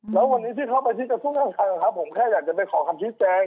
แล้ววันนี้ที่เขาไปที่กระทรวงการคลังผมแค่อยากจะไปขอคำชี้แจง